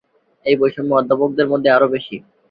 এই বৈষম্য অধ্যাপকদের মধ্যে আরো বেশি।